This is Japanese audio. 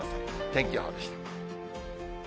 天気予報でした。